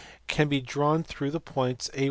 can be drawn through the points (a 1?